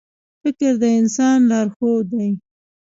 • فکر د انسان لارښود دی.